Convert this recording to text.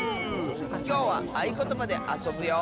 きょうはあいことばであそぶよ！